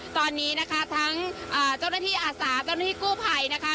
ตอนนี้นะคะทั้งเจ้าหน้าที่อาสาเจ้าหน้าที่กู้ภัยนะคะ